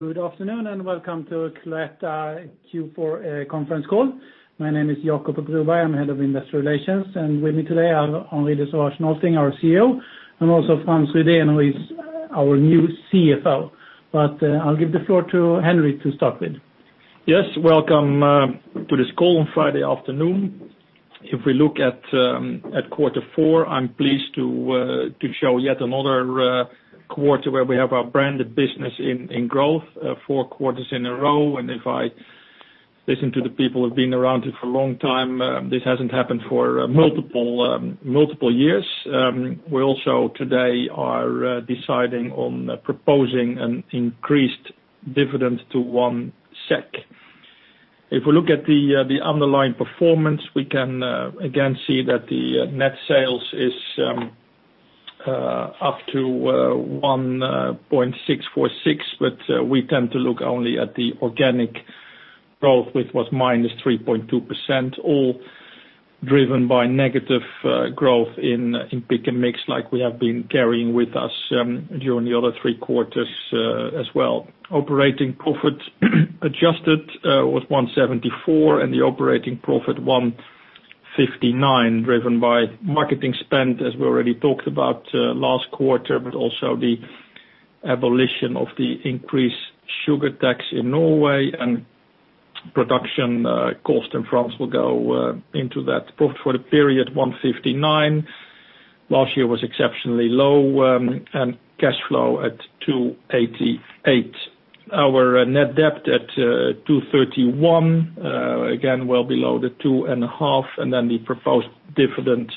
Good afternoon, and welcome to Cloetta Q4 Conference Call. My name is Jacob Broberg, I'm Head of Investor Relations, and with me today are Henri de Sauvage-Nolting, our CEO, and also Frans Rydén, who is our new CFO. But, I'll give the floor to Henri to start with. Yes, welcome to this call on Friday afternoon. If we look at quarter four, I'm pleased to show yet another quarter where we have our branded business in growth, four quarters in a row. And if I listen to the people who've been around it for a long time, this hasn't happened for multiple years. We also today are deciding on proposing an increased dividend to 1 SEK. If we look at the underlying performance, we can again see that the net sales is up to 1.646, but we tend to look only at the organic growth, which was -3.2%, all driven by negative growth in Pick & Mix, like we have been carrying with us during the other three quarters as well. Operating profit, adjusted, was 174, and the operating profit 159, driven by marketing spend, as we already talked about last quarter, but also the abolition of the increased sugar tax in Norway, and production cost in France will go into that. Profit for the period, 159. Last year was exceptionally low, and cash flow at 288. Our net debt at 231, again, well below the 2.5, and then the proposed dividend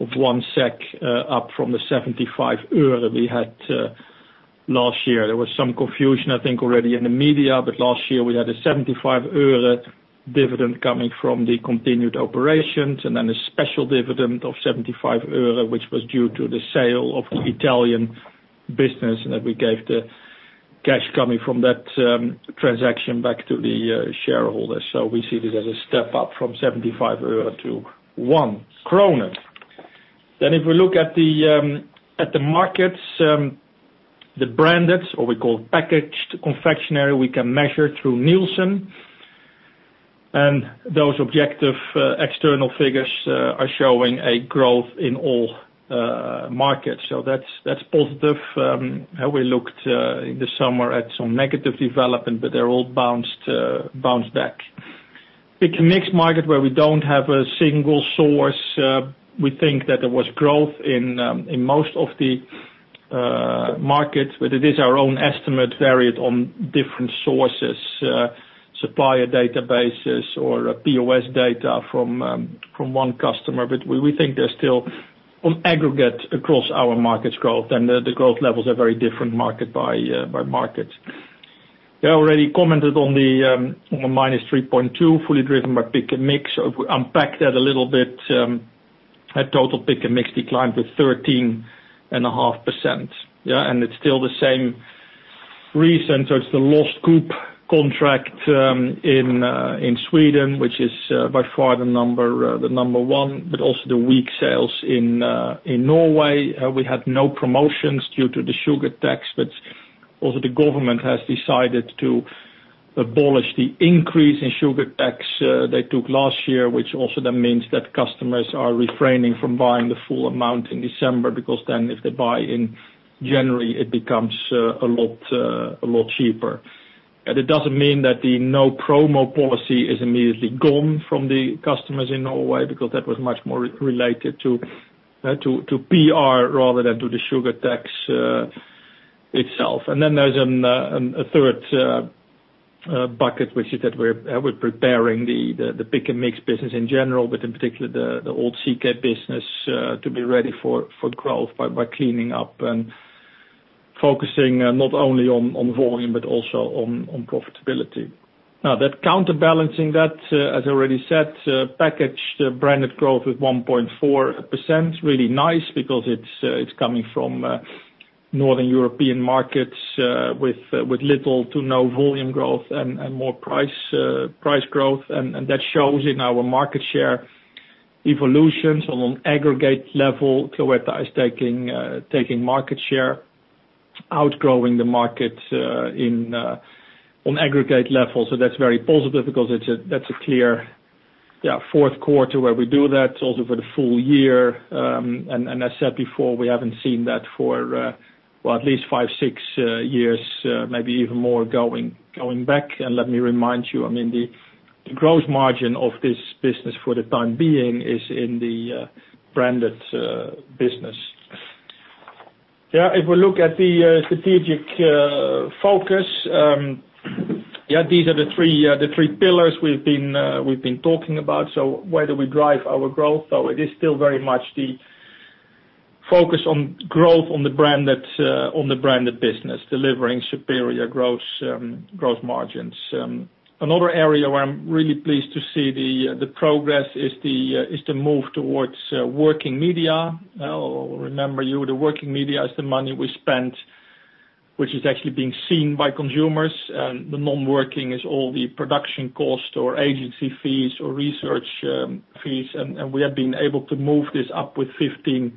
of 1 SEK, up from the SEK 0.75 we had last year. There was some confusion, I think, already in the media, but last year we had a SEK 0.75 dividend coming from the continued operations, and then a special dividend of SEK 0.75, which was due to the sale of the Italian business, and that we gave the cash coming from that transaction back to the shareholders. So we see this as a step up from SEK 0.75 to 1 kronor. Then if we look at the markets, the branded, or we call packaged confectionery, we can measure through Nielsen. And those objective external figures are showing a growth in all markets. So that's, that's positive. We looked in the summer at some negative development, but they all bounced back. Pick & Mix market, where we don't have a single source, we think that there was growth in most of the markets, but it is our own estimate, varied on different sources, supplier databases or POS data from one customer. But we think they're still on aggregate across our markets growth, and the growth levels are very different market by market. I already commented on the -3.2%, fully driven by Pick & Mix. So if we unpack that a little bit, a total Pick & Mix declined to 13.5%. Yeah, and it's still the same reason. So it's the lost Coop contract in Sweden, which is by far the number one, but also the weak sales in Norway. We had no promotions due to the sugar tax, but also the government has decided to abolish the increase in sugar tax they took last year, which also that means that customers are refraining from buying the full amount in December, because then if they buy in January, it becomes a lot cheaper. And it doesn't mean that the no promo policy is immediately gone from the customers in Norway, because that was much more related to PR rather than to the sugar tax itself. And then there's a third bucket, which is that we're preparing the Pick & Mix business in general, but in particular, the old CK business to be ready for growth by cleaning up and focusing not only on volume, but also on profitability. Now, that counterbalancing that, as I already said, packaged branded growth with 1.4%. Really nice because it's coming from Northern European markets with little to no volume growth and more price growth, and that shows in our market share evolutions. On an aggregate level, Cloetta is taking market share, outgrowing the market, on aggregate level. So that's very positive because it's a-- that's a clear, yeah, fourth quarter where we do that, also for the full year. And I said before, we haven't seen that for, well, at least five, six years, maybe even more going back. And let me remind you, I mean, the gross margin of this business for the time being is in the branded business. Yeah, if we look at the strategic focus, yeah, these are the three pillars we've been talking about. So where do we drive our growth? So it is still very much the focus on growth on the branded business, delivering superior gross margins. Another area where I'm really pleased to see the progress is the move towards working media. I'll remind you, the working media is the money we spent, which is actually being seen by consumers, and the non-working is all the production costs or agency fees or research fees, and we have been able to move this up with 15%,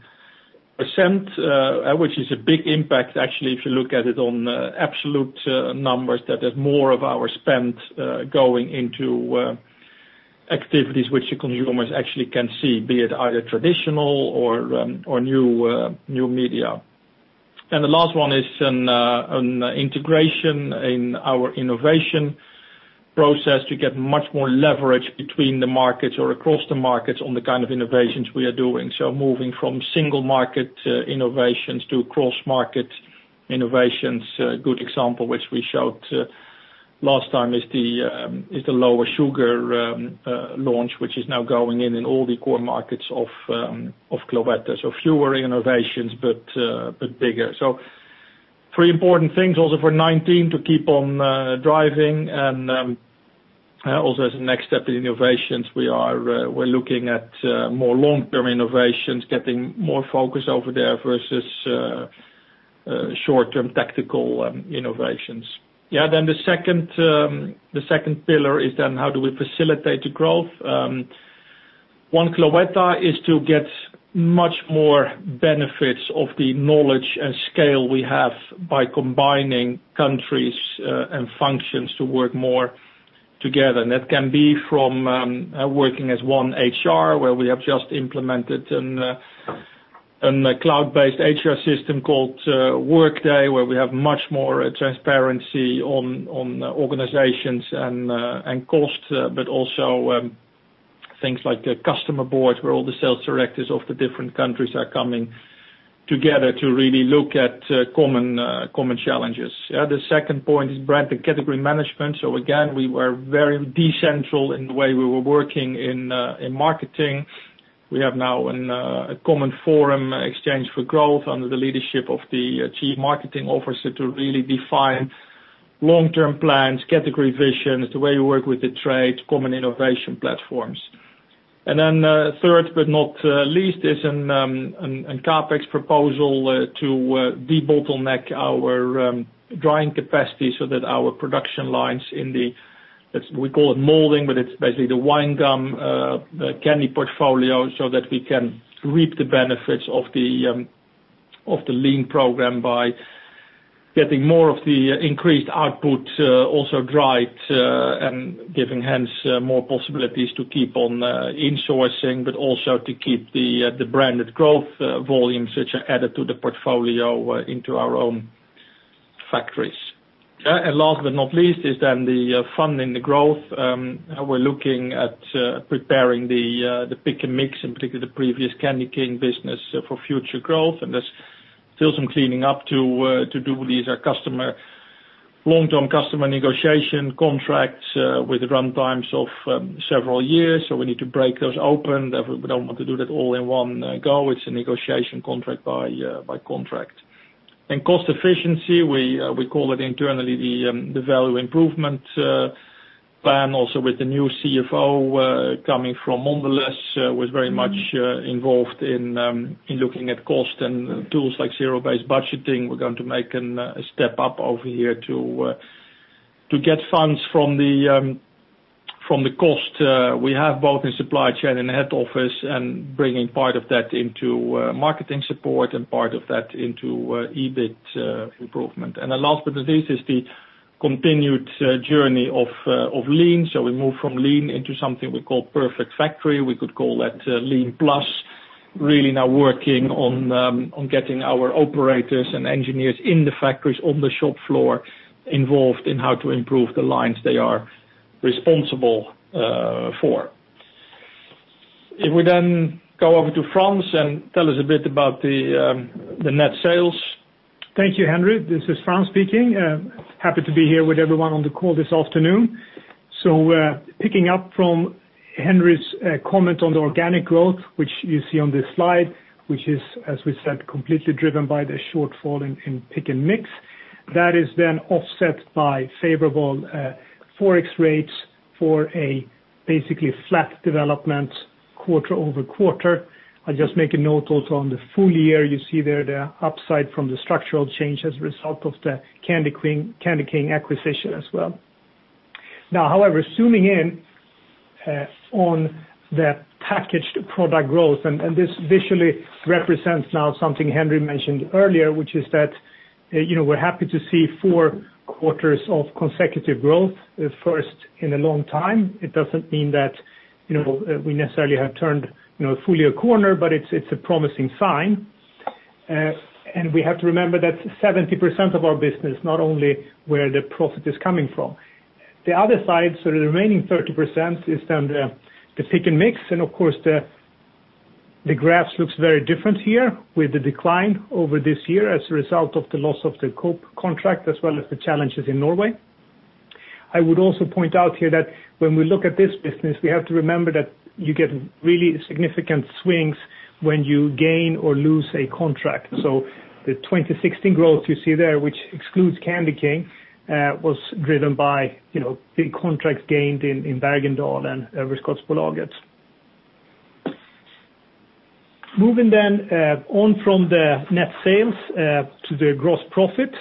which is a big impact, actually, if you look at it on absolute numbers, that is more of our spend going into activities which the consumers actually can see, be it either traditional or new media. And the last one is an integration in our innovation process to get much more leverage between the markets or across the markets on the kind of innovations we are doing. So moving from single market innovations to cross-market innovations. Good example which we showed last time is the lower sugar launch, which is now going in all the core markets of Cloetta. So fewer innovations, but bigger. So three important things also for 2019 to keep on driving and also as a next step in innovations, we're looking at more long-term innovations, getting more focus over there versus short-term tactical innovations. Yeah, then the second pillar is then how do we facilitate the growth? One, Cloetta is to get much more benefits of the knowledge and scale we have by combining countries and functions to work more together. That can be from working as one HR, where we have just implemented a cloud-based HR system called Workday, where we have much more transparency on organizations and costs, but also things like a Customer Board, where all the sales directors of the different countries are coming together to really look at common challenges. The second point is brand and category management. So again, we were very decentralized in the way we were working in marketing. We have now a common forum, Exchange for Growth, under the leadership of the chief marketing officer, to really define long-term plans, category visions, the way you work with the trade, common innovation platforms. Then, third but not least is a CapEx proposal to debottleneck our drying capacity so that our production lines, it's, we call it molding, but it's basically the wine gum candy portfolio, so that we can reap the benefits of the Lean program by getting more of the increased output also dried and giving, hence, more possibilities to keep on insourcing, but also to keep the branded growth volumes which are added to the portfolio into our own factories. And last but not least is then the funding the growth. We're looking at preparing the Pick & Mix, in particular, the previous CandyKing business, for future growth, and there's still some cleaning up to do. These are customer long-term customer negotiation contracts with runtimes of several years, so we need to break those open. We don't want to do that all in one go. It's a negotiation contract by contract. And cost efficiency, we call it internally the Value Improvement Plan. Also, with the new CFO coming from Mondelēz was very much involved in looking at cost and tools like zero-based budgeting. We're going to make a step up over here to get funds from the cost we have both in supply chain and head office, and bringing part of that into marketing support and part of that into EBIT improvement. And then last but not least is the continued journey of Lean. So we move from Lean into something we call Perfect Factory. We could call that Lean Plus. Really now working on getting our operators and engineers in the factories, on the shop floor, involved in how to improve the lines they are responsible for. If we then go over to Frans and tell us a bit about the net sales. Thank you, Henri. This is Frans speaking. Happy to be here with everyone on the call this afternoon. So, picking up from Henri's comment on the organic growth, which you see on this slide, which is, as we said, completely driven by the shortfall in Pick & Mix, that is then offset by favorable forex rates for a basically flat development quarter over quarter. I'll just make a note also on the full year, you see there the upside from the structural change as a result of the CandyKing, CandyKing acquisition as well. Now, however, zooming in on the packaged product growth, and this visually represents now something Henri mentioned earlier, which is that, you know, we're happy to see four quarters of consecutive growth, first in a long time. It doesn't mean that, you know, we necessarily have turned, you know, fully a corner, but it's a promising sign. And we have to remember that 70% of our business, not only where the profit is coming from. The other side, so the remaining 30%, is then the Pick & Mix, and of course, the graphs looks very different here with the decline over this year as a result of the loss of the Coop contract, as well as the challenges in Norway. I would also point out here that when we look at this business, we have to remember that you get really significant swings when you gain or lose a contract. So the 2016 growth you see there, which excludes CandyKing, was driven by, you know, big contracts gained in Bergendahls and Överskottsbolaget. Moving then on from the net sales to the gross profit.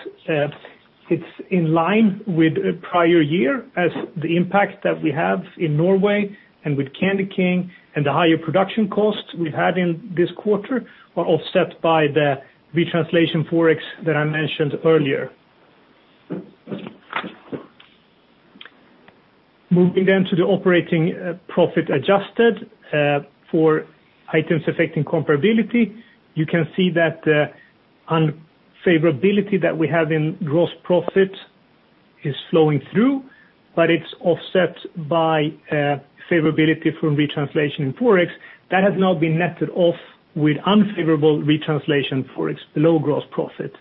It's in line with the prior year as the impact that we have in Norway and with CandyKing and the higher production costs we've had in this quarter are offset by the retranslation forex that I mentioned earlier. Moving down to the operating profit adjusted for items affecting comparability, you can see that the unfavorability that we have in gross profit is flowing through, but it's offset by favorability from retranslation in forex. That has now been netted off with unfavorable retranslation forex low gross profit.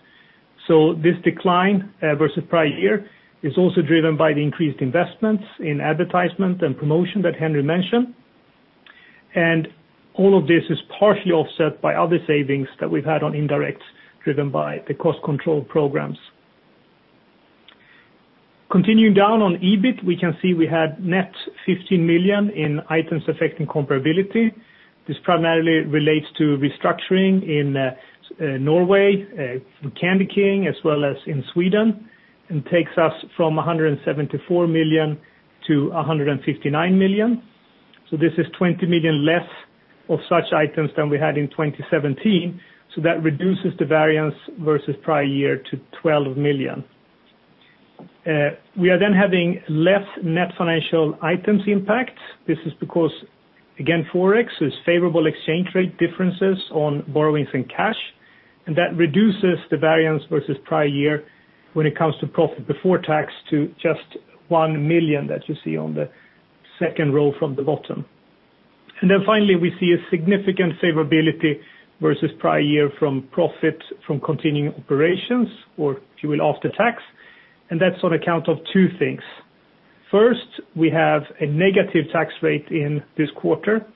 So this decline versus prior year is also driven by the increased investments in advertisement and promotion that Henri mentioned. And all of this is partially offset by other savings that we've had on indirect, driven by the cost control programs. Continuing down on EBIT, we can see we had net 15 million in items affecting comparability. This primarily relates to restructuring in Norway from CandyKing as well as in Sweden, and takes us from 174 million to 159 million. So this is 20 million less of such items than we had in 2017, so that reduces the variance versus prior year to 12 million. We are then having less net financial items impact. This is because, again, forex is favorable exchange rate differences on borrowings and cash, and that reduces the variance versus prior year when it comes to profit before tax to just 1 million that you see on the second row from the bottom. And then finally, we see a significant favorability versus prior year from profit from continuing operations, or if you will, after tax, and that's on account of two things. First, we have a negative tax rate in this quarter.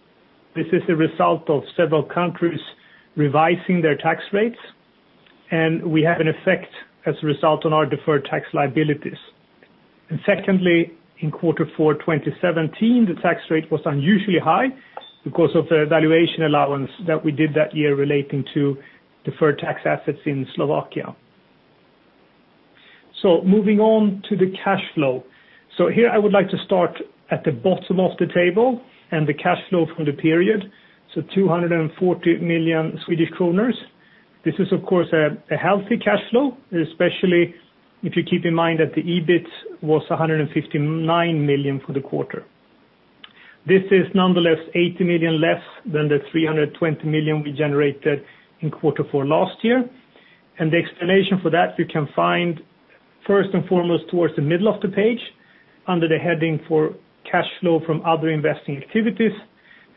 This is a result of several countries revising their tax rates, and we have an effect as a result on our deferred tax liabilities. And secondly, in quarter four, 2017, the tax rate was unusually high because of the valuation allowance that we did that year relating to deferred tax assets in Slovakia. So moving on to the cash flow. So here I would like to start at the bottom of the table and the cash flow from the period, so 240 million Swedish kronor. This is, of course, a healthy cash flow, especially if you keep in mind that the EBIT was 159 million for the quarter. This is nonetheless 80 million less than the 320 million we generated in quarter four last year. The explanation for that, you can find first and foremost, towards the middle of the page, under the heading for cash flow from other investing activities.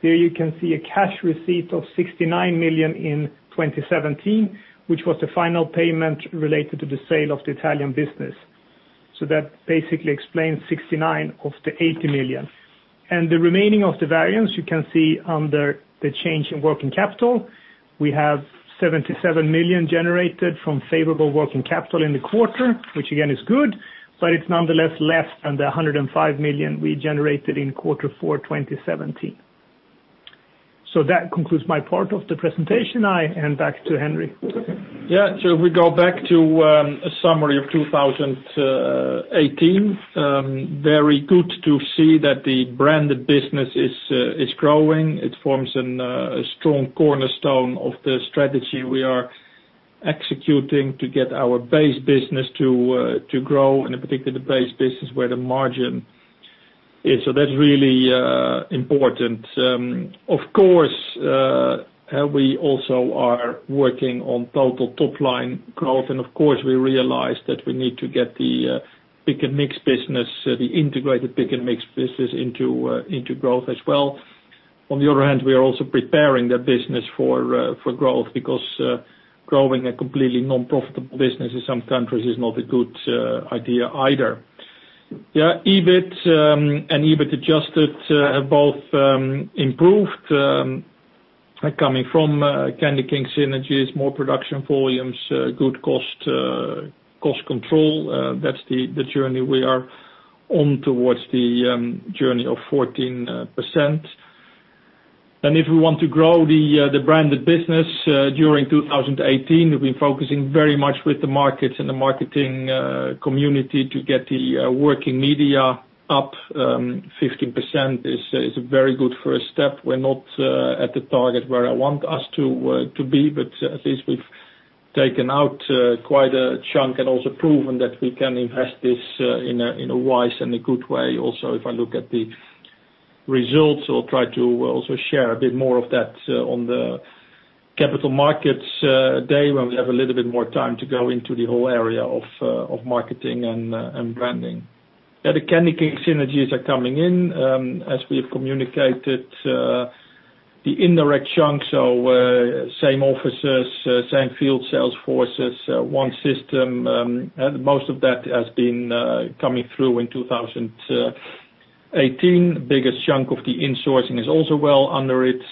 There you can see a cash receipt of 69 million in 2017, which was the final payment related to the sale of the Italian business. So that basically explains 69 of the 80 million. The remaining of the variance, you can see under the change in working capital. We have 77 million generated from favorable working capital in the quarter, which again, is good, but it's nonetheless less than the 105 million we generated in quarter four, 2017. So that concludes my part of the presentation. I hand back to Henri. Yeah. So if we go back to a summary of 2018, very good to see that the branded business is growing. It forms a strong cornerstone of the strategy we are executing to get our base business to grow, in particular, the base business where the margin is. So that's really important. Of course, we also are working on total top line growth, and of course, we realize that we need to get the Pick & Mix business, the integrated Pick & Mix business into growth as well. On the other hand, we are also preparing the business for growth because growing a completely non-profitable business in some countries is not a good idea either. Yeah, EBIT, and EBIT adjusted have both improved coming from CandyKing synergies, more production volumes, good cost control. That's the journey we are on towards the journey of 14%. And if we want to grow the branded business during 2018, we've been focusing very much with the markets and the marketing community to get the working media up. Fifteen percent is a very good first step. We're not at the target where I want us to be, but at least we've taken out quite a chunk and also proven that we can invest this in a wise and a good way. Also, if I look at the results, I'll try to also share a bit more of that on the Capital Markets Day, when we have a little bit more time to go into the whole area of marketing and branding. Yeah, the CandyKing synergies are coming in as we have communicated, the indirect chunks are same offices, same field sales forces, one system, and most of that has been coming through in 2018. Biggest chunk of the insourcing is also well under its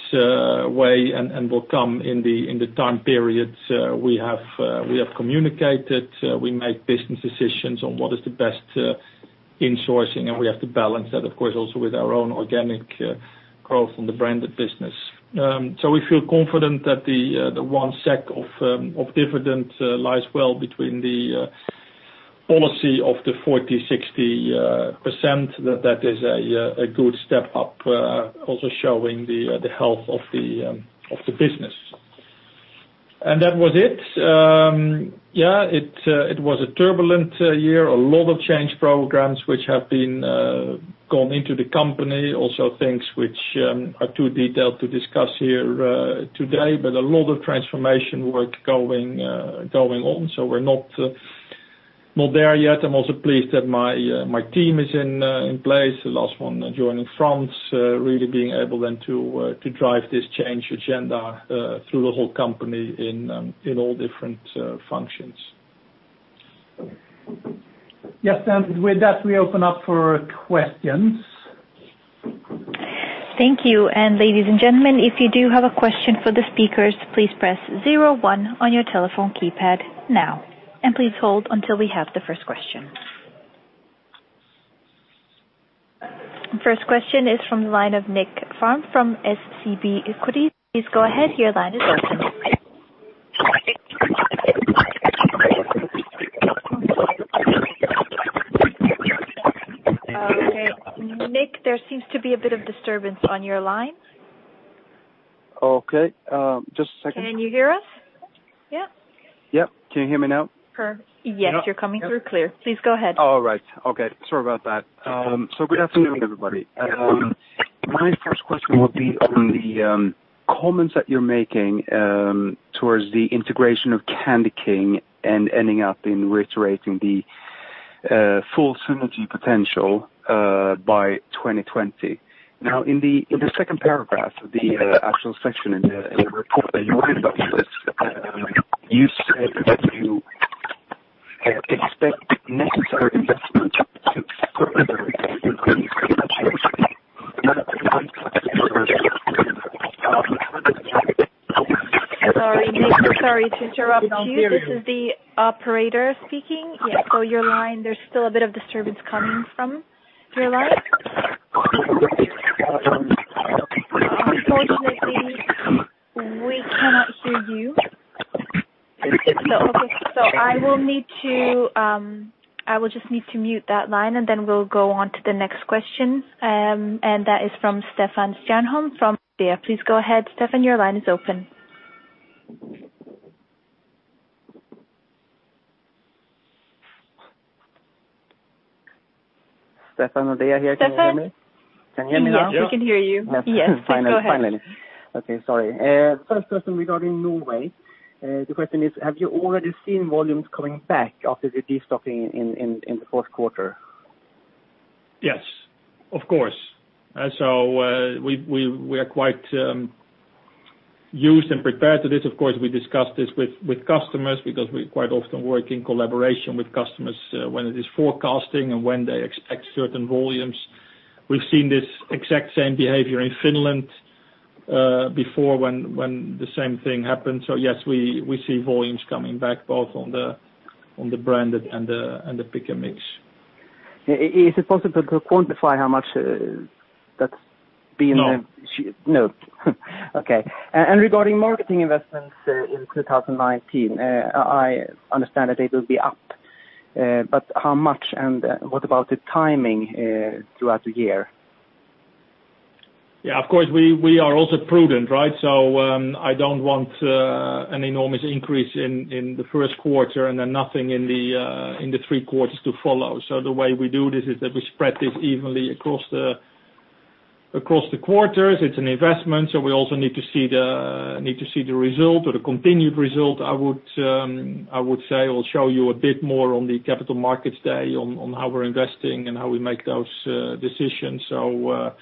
way and will come in the time periods we have communicated. We make business decisions on what is the best insourcing, and we have to balance that, of course, also with our own organic growth on the branded business. So we feel confident that the 1 SEK of dividend lies well between the policy of the 40%-60%, that is a good step up, also showing the health of the business. And that was it. Yeah, it was a turbulent year, a lot of change programs which have been gone into the company, also things which are too detailed to discuss here today, but a lot of transformation work going on. So we're not there yet. I'm also pleased that my team is in place, the last one joining Frans really being able then to drive this change agenda through the whole company in all different functions. Yes, and with that, we open up for questions. Thank you. Ladies and gentlemen, if you do have a question for the speakers, please press zero-one on your telephone keypad now. Please hold until we have the first question. First question is from the line of Nicklas Fhärm from SEB Equity. Please go ahead, your line is open. Okay, Nick, there seems to be a bit of disturbance on your line. Okay, just a second. Can you hear us? Yeah? Yep. Can you hear me now? Perfect. Yes, you're coming through clear. Please go ahead. All right. Okay. Sorry about that. So good afternoon, everybody. My first question would be on the comments that you're making towards the integration of CandyKing and ending up in reiterating the full synergy potential by 2020. Now, in the second paragraph of the actual section in the report that you wrote about this, you said that you expect necessary investment to- Sorry, Nick, I'm sorry to interrupt you. This is the operator speaking. Yeah, so your line, there's still a bit of disturbance coming from your line. Unfortunately, we cannot hear you. So, okay, so I will need to, I will just need to mute that line, and then we'll go on to the next question, and that is from Stefan Stjernholm, from Nordea. Please go ahead, Stefan, your line is open. Stefan on the air here. Stefan? Can you hear me? Yes, we can hear you. Yes. Yes, go ahead. Finally, finally. Okay, sorry. First question regarding Norway, the question is, have you already seen volumes coming back after the destocking in the fourth quarter? Yes, of course. So, we are quite used and prepared to this. Of course, we discussed this with customers because we quite often work in collaboration with customers when it is forecasting and when they expect certain volumes. We've seen this exact same behavior in Finland before, when the same thing happened. So yes, we see volumes coming back, both on the branded and the Pick & Mix. Is it possible to quantify how much that's been the- No. No. Okay. And regarding marketing investments in 2019, I understand that they will be up, but how much, and what about the timing throughout the year? Yeah, of course, we are also prudent, right? So, I don't want an enormous increase in the first quarter and then nothing in the three quarters to follow. So the way we do this is that we spread this evenly across the quarters. It's an investment, so we also need to see the result or the continued result. I would say, I will show you a bit more on the Capital Markets Day on how we're investing and how we make those decisions. So,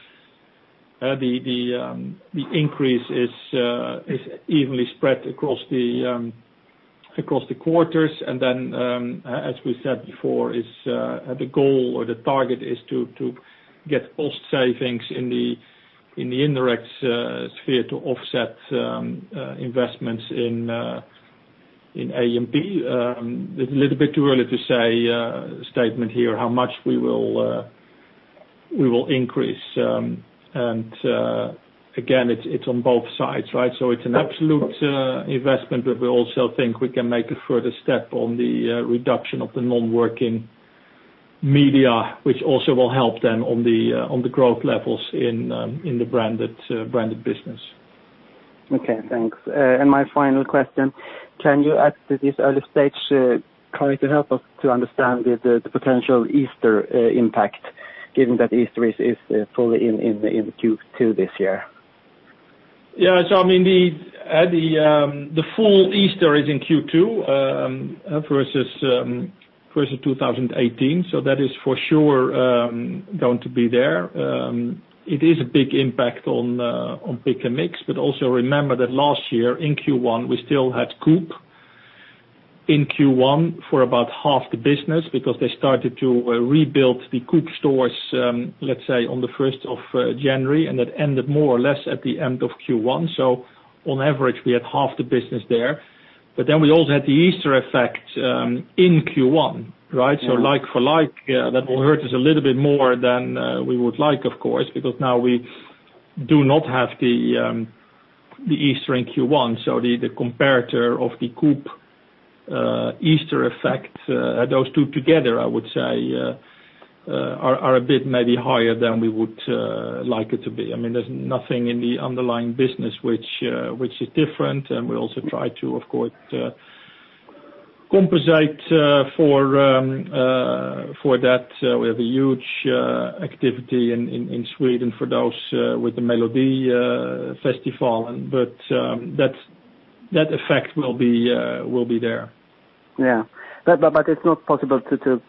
the increase is evenly spread across the quarters, and then, as we said before, the goal or the target is to get cost savings in the indirect sphere to offset investments in A&P. It's a little bit too early to say statement here, how much we will increase. And again, it's on both sides, right? So it's an absolute investment, but we also think we can make a further step on the reduction of the non-working media, which also will help then on the growth levels in the branded business. Okay, thanks. And my final question, can you, at this early stage, try to help us to understand the potential Easter impact, given that Easter is fully in the Q2 this year? Yeah, so I mean, the full Easter is in Q2 versus 2018, so that is for sure going to be there. It is a big impact on Pick & Mix, but also remember that last year in Q1, we still had Coop in Q1 for about half the business because they started to rebuild the Coop stores, let's say, on the first of January, and that ended more or less at the end of Q1. So on average, we had half the business there. But then we also had the Easter effect in Q1, right? So like for like, yeah, that will hurt us a little bit more than we would like, of course, because now we do not have the Easter in Q1, so the comparator of the Coop Easter effect, those two together, I would say, are a bit maybe higher than we would like it to be. I mean, there's nothing in the underlying business which is different. We also try to, of course, compensate for that. We have a huge activity in Sweden for those with the Melodifestivalen, but that effect will be there. Yeah. But it's not possible to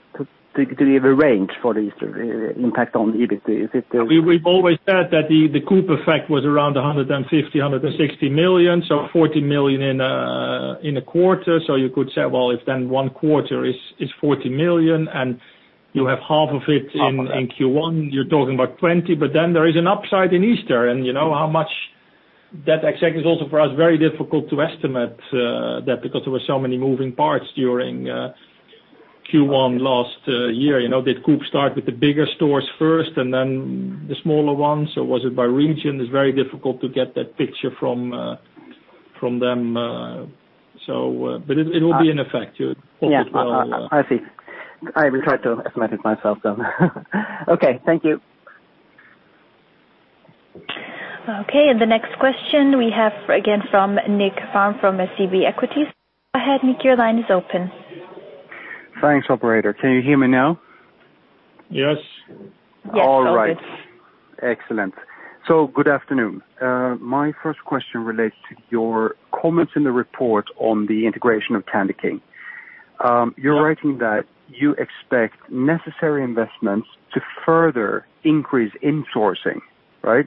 give a range for the Easter impact on the EBIT, is it? We've always said that the Coop effect was around 150 million-160 million, so 40 million in a quarter. So you could say, well, if then one quarter is 40 million, and you have half of it- Half of that. In Q1, you're talking about 20, but then there is an upside in Easter. And you know, how much that exact is also for us, very difficult to estimate, that because there were so many moving parts during Q1 last year. You know, did Coop start with the bigger stores first and then the smaller ones, or was it by region? It's very difficult to get that picture from from them, so... But it, it will be an effect too. Yeah. Of course it will. I see. I will try to estimate it myself then. Okay. Thank you. Okay, and the next question we have again from Nicklas Fhärm from SEB Equity. Go ahead, Nick, your line is open. Thanks, operator. Can you hear me now? Yes. Yes, all good. All right. Excellent. Good afternoon. My first question relates to your comments in the report on the integration of CandyKing. You're writing that you expect necessary investments to further increase insourcing, right?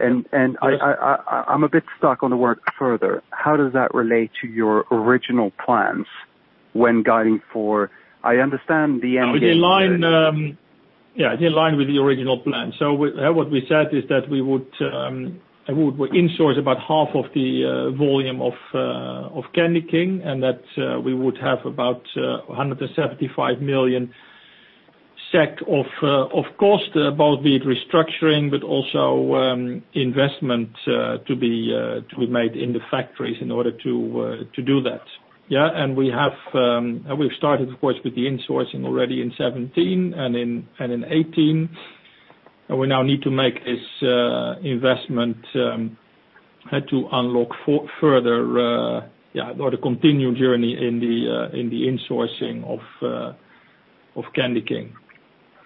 Yes. I'm a bit stuck on the word further. How does that relate to your original plans when guiding for... I understand the end game- In line with the original plan. So what we said is that we would insource about half of the volume of CandyKing, and that we would have about 175 million SEK of cost both the restructuring, but also investment to be made in the factories in order to do that. And we have and we've started, of course, with the insourcing already in 2017 and in 2018. And we now need to make this investment to unlock for further or the continued journey in the insourcing of CandyKing .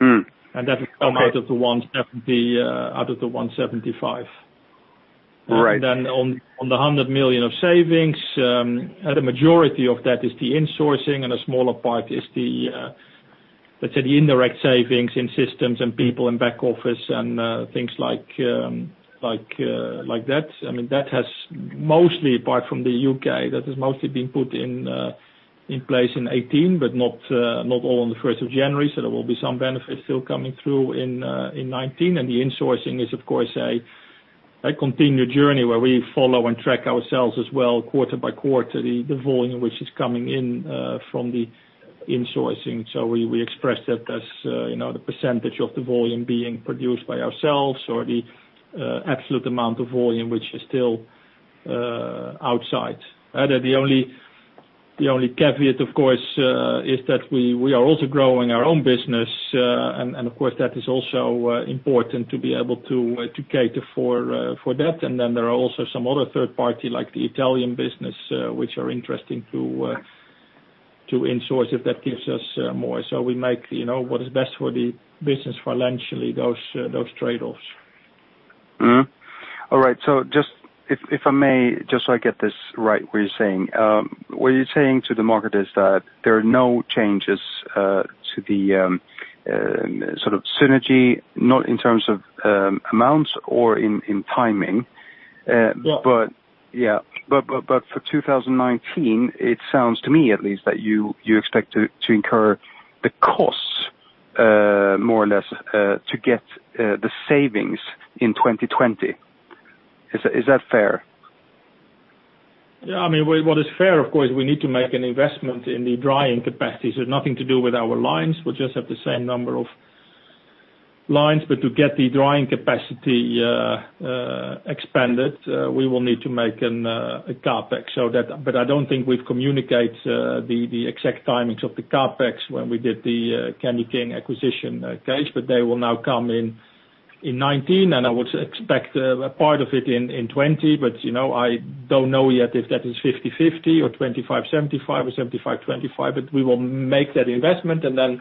Mm-hmm. Okay. That will come out of the 170 million, out of the 175 million. Right. And then on the 100 million of savings, the majority of that is the insourcing, and a smaller part is the, let's say, the indirect savings in systems and people and back office and, things like, like that. I mean, that has mostly, apart from the U.K., that has mostly been put in, in place in 2018, but not, not all on the first of January. So there will be some benefit still coming through in, in 2019. And the insourcing is, of course, a continued journey where we follow and track ourselves as well, quarter by quarter, the volume which is coming in, from the insourcing. So we express that as, you know, the percentage of the volume being produced by ourselves or the absolute amount of volume, which is still, outside. The only caveat, of course, is that we are also growing our own business. And of course, that is also important to be able to cater for that. And then there are also some other third party, like the Italian business, which are interesting to insource if that gives us more. So we make, you know, what is best for the business financially, those trade-offs. Mm-hmm. All right. So just if I may, just so I get this right, what you're saying. What you're saying to the market is that there are no changes to the sort of synergy, not in terms of amounts or in timing, uh- Yeah. But, yeah. But for 2019, it sounds to me at least that you expect to incur the costs more or less to get the savings in 2020. Is that fair? Yeah. I mean, what is fair, of course, we need to make an investment in the drying capacity. So nothing to do with our lines. We just have the same number of lines, but to get the drying capacity expanded, we will need to make a CapEx. So that... But I don't think we've communicated the exact timings of the CapEx when we did the CandyKing acquisition case, but they will now come in 2019, and I would expect a part of it in 2020. But, you know, I don't know yet if that is 50/50 or 25/75 or 75/25, but we will make that investment. And then,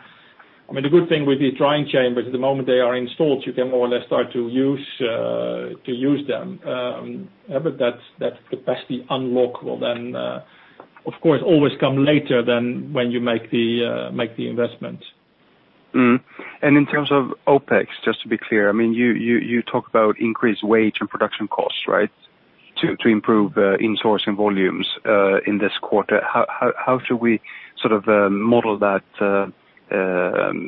I mean, the good thing with the drying chambers, the moment they are installed, you can more or less start to use to use them. But that's, that's capacity unlockable then, of course, always come later than when you make the, make the investment. Mm-hmm. And in terms of OpEx, just to be clear, I mean, you talked about increased wage and production costs, right? To improve insourcing volumes in this quarter, how do we sort of model that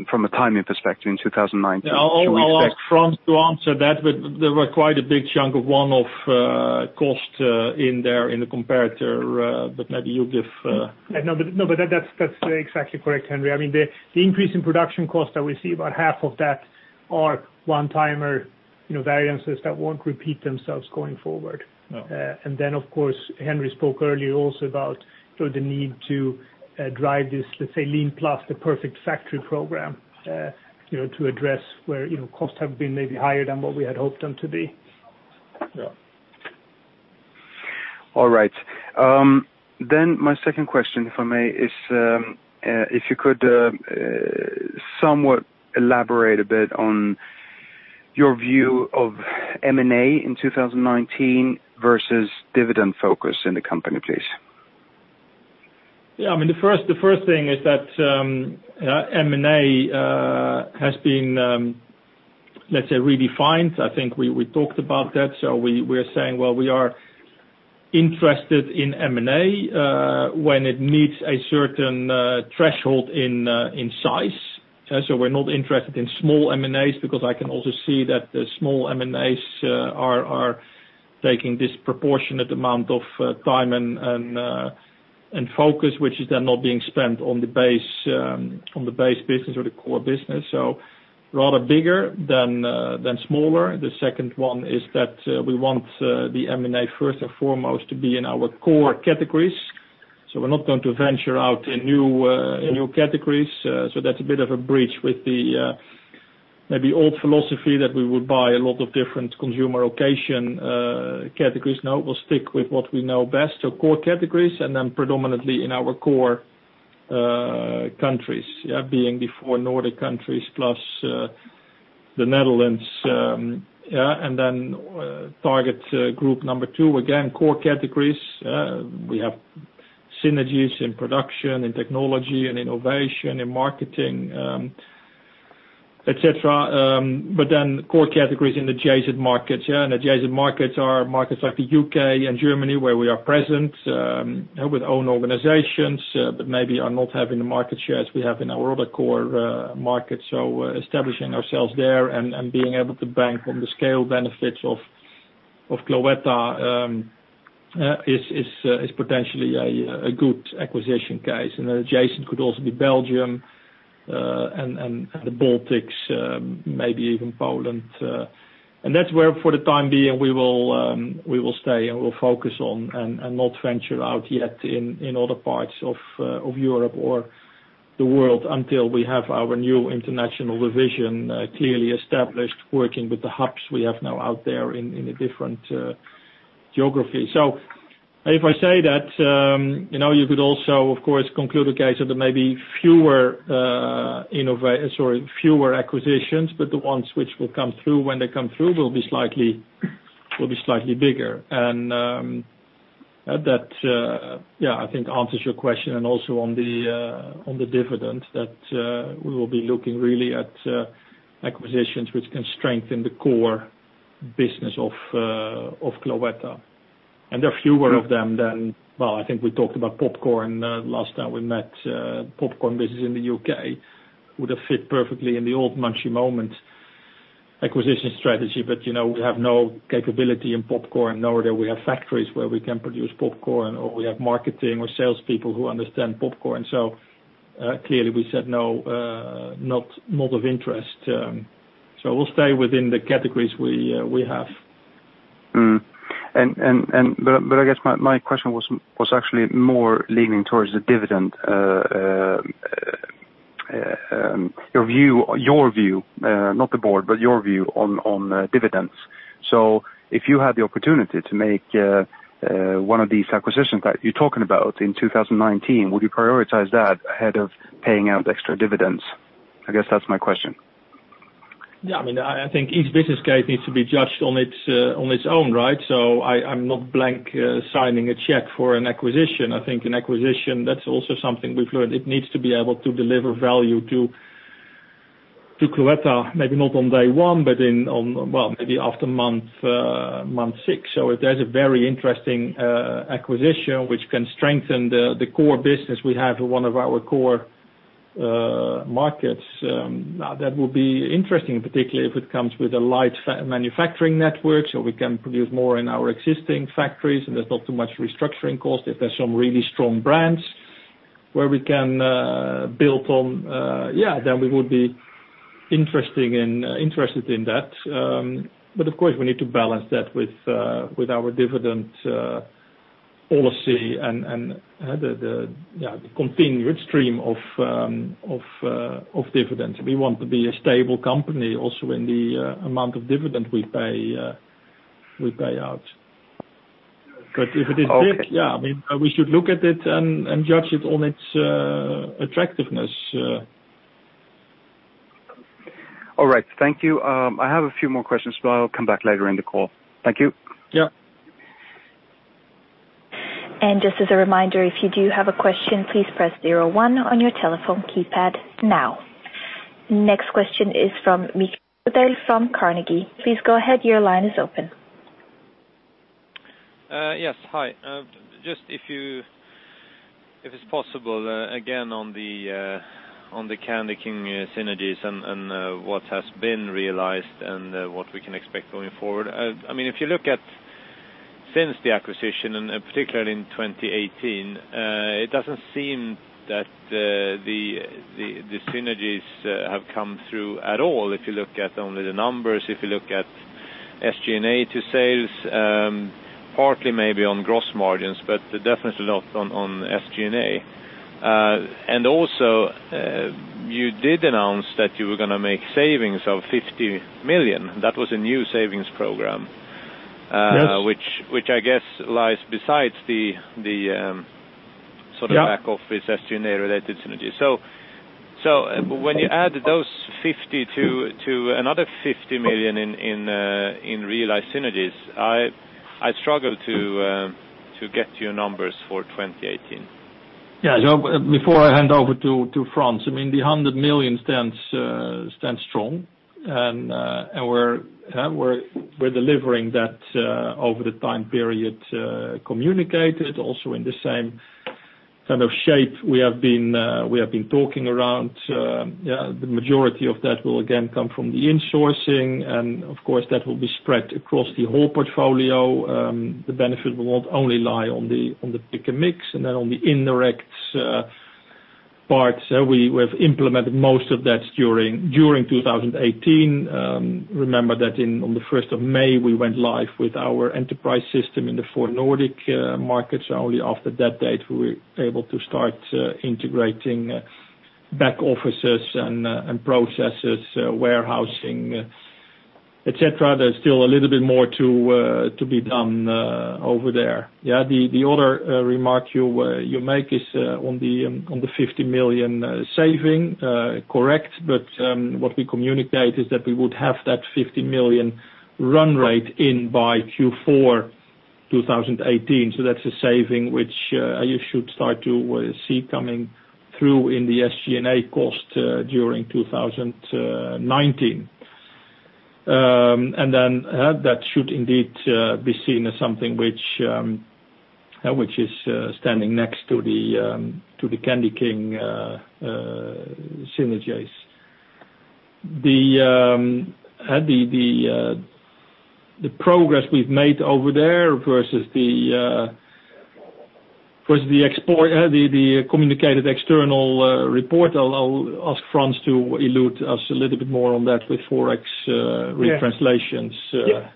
from a timing perspective in 2019? Yeah, I'll ask Frans to answer that, but there were quite a big chunk of one-off cost in there in the comparator, but maybe you'll give Yeah. No, but that's exactly correct, Henri. I mean, the increase in production cost that we see, about half of that are one-timer, you know, variances that won't repeat themselves going forward. No. And then, of course, Henri spoke earlier also about, you know, the need to drive this, let's say, Lean Plus, the Perfect Factory program, you know, to address where, you know, costs have been maybe higher than what we had hoped them to be. Yeah. All right. Then my second question, if I may, is, if you could somewhat elaborate a bit on your view of M&A in 2019 versus dividend focus in the company, please? Yeah, I mean, the first thing is that, M&A has been, let's say, redefined. I think we talked about that. So we're saying: Well, we are interested in M&A, when it meets a certain threshold in size. So we're not interested in small M&As, because I can also see that the small M&As are taking disproportionate amount of time and focus, which is then not being spent on the base business or the core business, so rather bigger than smaller. The second one is that, we want the M&A, first and foremost, to be in our core categories. So we're not going to venture out in new categories. So that's a bit of a breach with the, maybe old philosophy that we would buy a lot of different consumer occasion categories. No, we'll stick with what we know best, so core categories, and then predominantly in our core countries, being the four Nordic countries, plus the Netherlands, and then target group number two, again, core categories. We have synergies in production, in technology, in innovation, in marketing, et cetera, but then core categories in adjacent markets, and adjacent markets are markets like the U.K. and Germany, where we are present with own organizations, but maybe are not having the market shares we have in our other core markets. So, establishing ourselves there and being able to bank on the scale benefits of Cloetta is potentially a good acquisition case. And adjacent could also be Belgium and the Baltics, maybe even Poland, and that's where for the time being we will stay and we'll focus on and not venture out yet in other parts of Europe or the world until we have our new international vision clearly established, working with the hubs we have now out there in the different geographies. So if I say that, you know, you could also, of course, conclude the case that there may be fewer acquisitions, but the ones which will come through when they come through will be slightly bigger. Yeah, I think that answers your question. Also on the dividend, we will be looking really at acquisitions which can strengthen the core business of Cloetta. And there are fewer of them than... Well, I think we talked about popcorn last time we met, popcorn business in the U.K. would have fit perfectly in the old Munchy Moments acquisition strategy, but, you know, we have no capability in popcorn, nor do we have factories where we can produce popcorn, or we have marketing or salespeople who understand popcorn. So, clearly, we said, no, not of interest. So we'll stay within the categories we have. I guess my question was actually more leaning towards the dividend, your view, not the board, but your view on dividends. So if you had the opportunity to make one of these acquisitions that you're talking about in 2019, would you prioritize that ahead of paying out extra dividends? I guess that's my question. Yeah, I mean, I think each business case needs to be judged on its own, right? So I'm not blank signing a check for an acquisition. I think an acquisition, that's also something we've learned. It needs to be able to deliver value to Cloetta, maybe not on day one, but... well, maybe after month six. So if there's a very interesting acquisition which can strengthen the core business we have one of our core markets, that would be interesting, particularly if it comes with a light manufacturing network, so we can produce more in our existing factories, and there's not too much restructuring cost. If there's some really strong brands where we can build on, yeah, then we would be interested in that. But of course, we need to balance that with our dividend policy and the continued stream of dividends. We want to be a stable company also in the amount of dividend we pay out. Okay. If it is fit, yeah, I mean, we should look at it and judge it on its attractiveness. All right, thank you. I have a few more questions, but I'll come back later in the call. Thank you. Yeah. Just as a reminder, if you do have a question, please press zero one on your telephone keypad now. Next question is from Mikael Laséen from Carnegie. Please go ahead. Your line is open. Yes, hi. Just if you, if it's possible, again, on the CandyKing, synergies and, and, what has been realized and, what we can expect going forward. I mean, if you look at since the acquisition, and particularly in 2018, it doesn't seem that, the, the, the synergies, have come through at all. If you look at only the numbers, if you look at SG&A to sales, partly maybe on gross margins, but definitely not on, on SG&A. And also, you did announce that you were gonna make savings of 50 million. That was a new savings program Yes. which I guess lies besides the sort of- Yeah. back-office SG&A-related synergies. So when you add those 50 million to another 50 million in realized synergies, I struggle to get your numbers for 2018. Yeah. So before I hand over to Frans, I mean, the 100 million stands strong, and we're delivering that over the time period communicated. Also, in the same kind of shape we have been talking around. Yeah, the majority of that will again come from the insourcing, and of course, that will be spread across the whole portfolio. The benefit won't only lie on the Pick & Mix, and then on the indirect parts, we've implemented most of that during 2018. Remember that on the first of May, we went live with our enterprise system in the four Nordic Markets. Only after that date, we were able to start integrating back offices and processes, warehousing, et cetera. There's still a little bit more to be done over there. Yeah, the other remark you make is on the 50 million saving. Correct, but what we communicate is that we would have that 50 million run rate in by Q4 2018. So that's a saving which you should start to see coming through in the SG&A cost during 2019. And then that should indeed be seen as something which is standing next to the CandyKing synergies. The progress we've made over there versus the export, the communicated external report, I'll ask Frans to elucidate us a little bit more on that with forex retranslations. Yeah.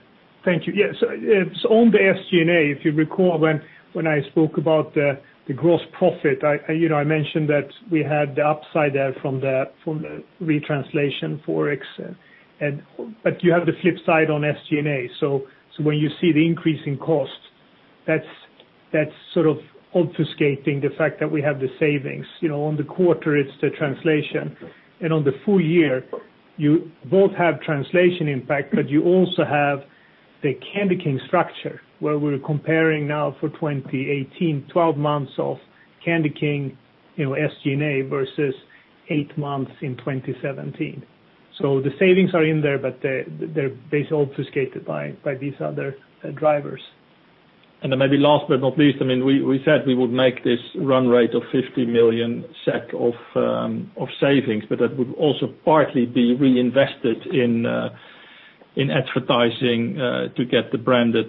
Thank you. Yes, so on the SG&A, if you recall, when I spoke about the gross profit, I, you know, I mentioned that we had the upside there from the retranslation forex. But you have the flip side on SG&A, so when you see the increase in costs, that's sort of obfuscating the fact that we have the savings. You know, on the quarter, it's the translation, and on the full year, you both have translation impact, but you also have the CandyKing structure, where we're comparing now for 2018, 12 months of CandyKing, you know, SG&A versus eight months in 2017. So the savings are in there, but they're basically obfuscated by these other drivers. And then maybe last but not least, I mean, we said we would make this run rate of 50 million of savings, but that would also partly be reinvested in advertising to get the branded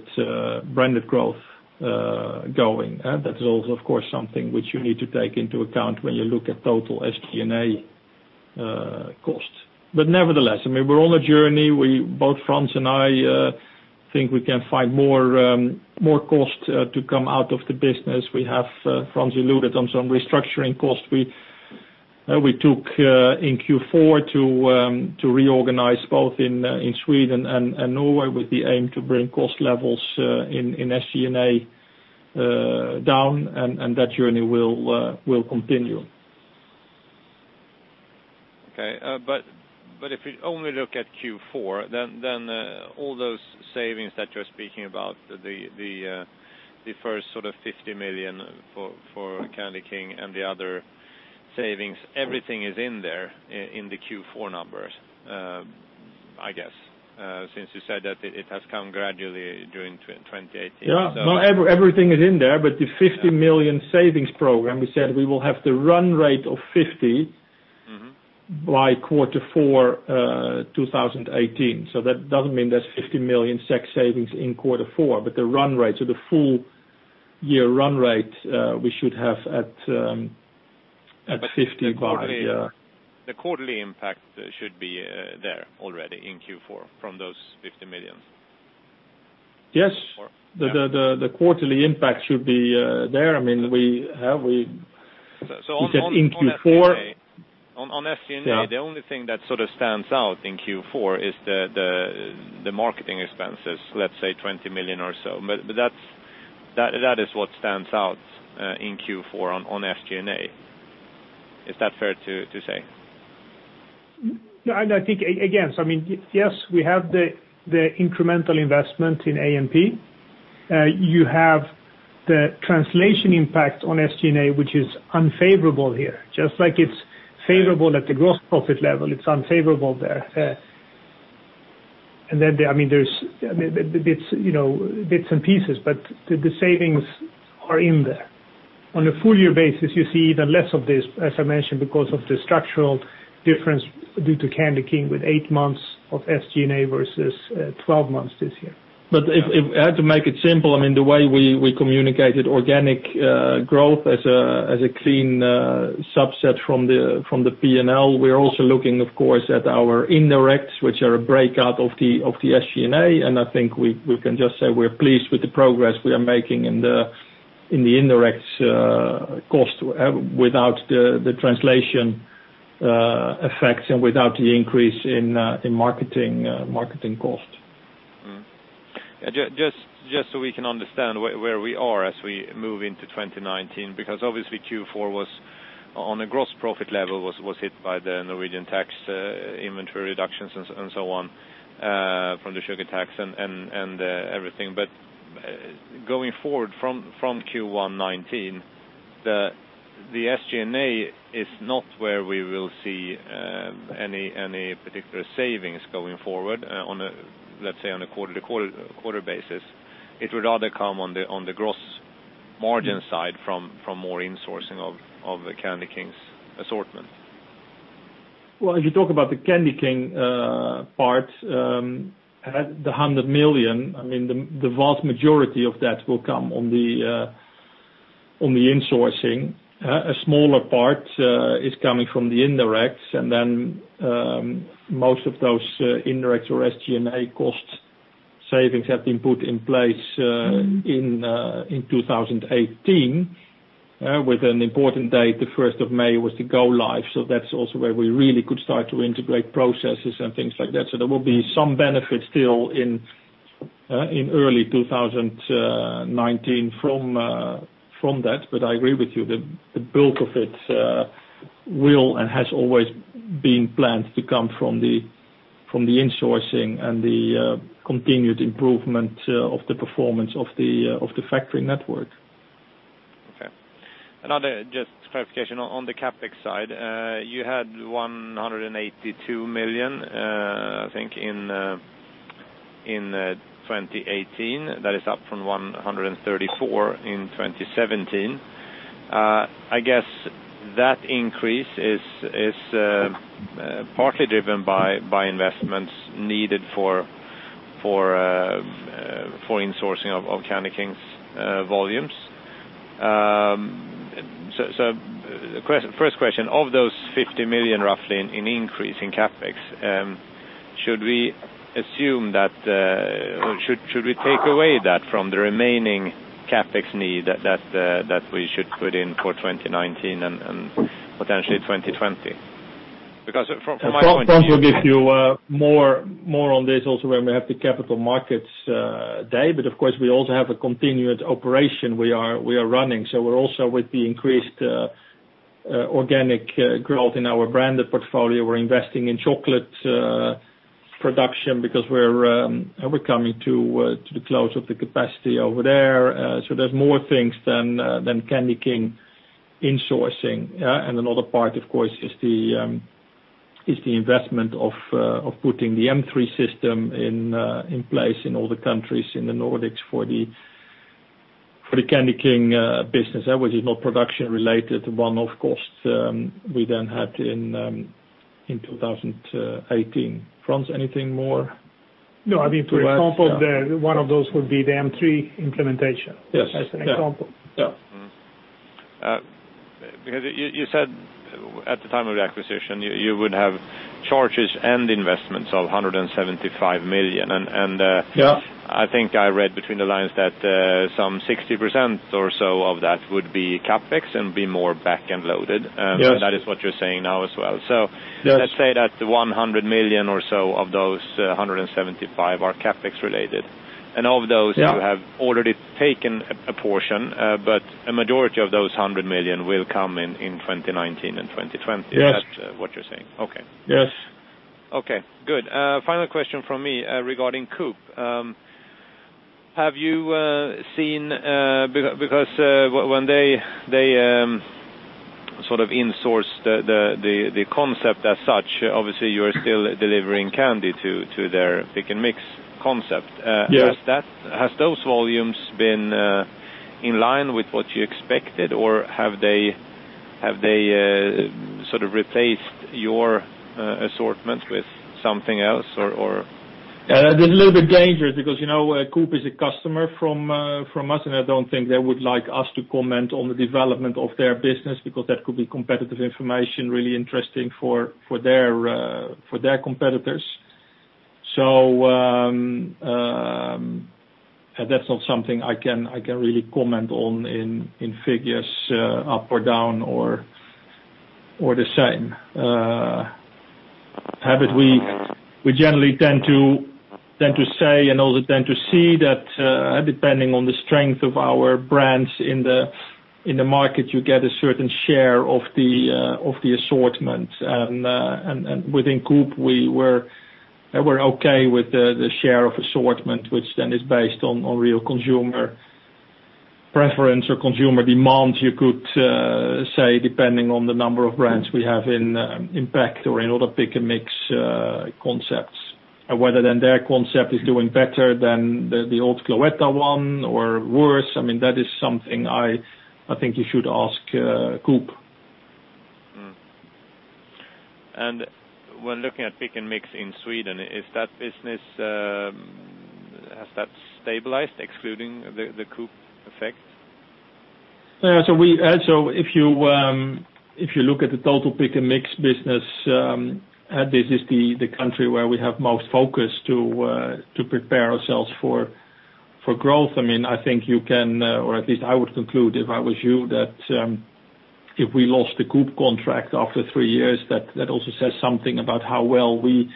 growth going. That is also, of course, something which you need to take into account when you look at total SG&A costs. But nevertheless, I mean, we're on a journey. We both Frans and I think we can find more costs to come out of the business. We have, Frans alluded on some restructuring costs we took in Q4 to reorganize, both in Sweden and Norway, with the aim to bring cost levels in SG&A down, and that journey will continue. Okay, but if you only look at Q4, then all those savings that you're speaking about, the first sort of 50 million for CandyKing and the other savings, everything is in there, in the Q4 numbers, I guess, since you said that it has come gradually during 2018. Yeah. Not everything is in there, but the 50 million savings program, we said we will have the run rate of 50 million Mm-hmm. by quarter four, 2018. So that doesn't mean there's 50 million SEK savings in quarter four, but the run rate, so the full year run rate, we should have at, at 50 million by. The quarterly impact should be there already in Q4 from those 50 million? Yes. Or, yeah. The quarterly impact should be there. I mean, we- So, on SG&A- Because in Q4- On SG&A- Yeah... the only thing that sort of stands out in Q4 is the marketing expenses, let's say 20 million or so. But that's what stands out in Q4 on SG&A. Is that fair to say?... No, and I think, again, so I mean, yes, we have the incremental investment in A&P. You have the translation impact on SG&A, which is unfavorable here, just like it's favorable at the gross profit level, it's unfavorable there. And then there, I mean, there's, I mean, the bits, you know, bits and pieces, but the savings are in there. On a full year basis, you see even less of this, as I mentioned, because of the structural difference due to CandyKing, with eight months of SG&A versus twelve months this year. But if I had to make it simple, I mean, the way we communicated organic growth as a clean subset from the P&L, we're also looking, of course, at our indirects, which are a breakout of the SG&A. And I think we can just say we're pleased with the progress we are making in the indirect cost without the translation effects and without the increase in marketing cost. Just so we can understand where we are as we move into 2019, because obviously Q4 was on a gross profit level hit by the Norwegian tax, inventory reductions and so on from the sugar tax and everything. But going forward from Q1 2019, the SG&A is not where we will see any particular savings going forward on a quarter-to-quarter basis. It would rather come on the gross margin side from more insourcing of the CandyKing's assortment. Well, if you talk about the CandyKing part, the 100 million, I mean, the vast majority of that will come on the on the insourcing. A smaller part is coming from the indirects, and then most of those indirect or SG&A cost savings have been put in place in in 2018 with an important date, the first of May, 2018, was the go live. So that's also where we really could start to integrate processes and things like that. So there will be some benefit still in in early 2019 from from that. But I agree with you, the the bulk of it will and has always been planned to come from the from the insourcing and the continued improvement of the performance of the of the factory network. Okay. Another just clarification on the CapEx side. You had 182 million, I think, in 2018. That is up from 134 million in 2017. I guess that increase is partly driven by investments needed for insourcing of CandyKing 's volumes. So the first question, of those 50 million, roughly, in increase in CapEx, should we assume that, or should we take away that from the remaining CapEx need that we should put in for 2019 and potentially 2020? Because from my point of view- Frans will give you more on this also, when we have the Capital Markets Day. But of course, we also have a continued operation we are running. So we're also with the increased organic growth in our branded portfolio. We're investing in chocolate production because we're coming to the close of the capacity over there. So there's more things than CandyKing insourcing. And another part, of course, is the investment of putting the M3 system in place in all the countries in the Nordics for the CandyKing business, which is not production-related, one-off costs we then had in 2018. Frans, anything more? No, I mean, for example, the one of those would be the M3 implementation- Yes -as an example. Yeah. Because you said at the time of the acquisition, you would have charges and investments of 175 million. And... Yeah... I think I read between the lines that, some 60% or so of that would be CapEx and be more back-end loaded. Yes. That is what you're saying now as well. Yes. Let's say that 100 million or so of those 175 are CapEx related. Yeah. And of those, you have already taken a portion, but a majority of those 100 million will come in, in 2019 and 2020. Yes. Is that what you're saying? Okay. Yes. Okay, good. Final question from me regarding Coop. Have you seen... Because when they sort of insourced the concept as such, obviously you are still delivering candy to their Pick & Mix concept. Yes. Has those volumes been in line with what you expected, or have they sort of replaced your assortment with something else, or- It's a little bit dangerous because, you know, Coop is a customer from us, and I don't think they would like us to comment on the development of their business, because that could be competitive information, really interesting for their competitors. So, that's not something I can really comment on in figures, up or down, or the same. But we generally tend to say and also to see that, depending on the strength of our brands in the market, you get a certain share of the assortment. And within Coop, we were, we're okay with the share of assortment, which then is based on real consumer preference or consumer demand, you could say, depending on the number of brands we have in pack or in other pick and mix concepts. Whether then their concept is doing better than the old Cloetta one or worse, I mean, that is something I think you should ask Coop. When looking at Pick & Mix in Sweden, is that business, has that stabilized excluding the Coop effect? Yeah, so if you look at the total Pick & Mix business, this is the country where we have most focus to prepare ourselves for growth. I mean, I think you can, or at least I would conclude if I was you, that if we lost the Coop contract after three years, that also says something about how well we,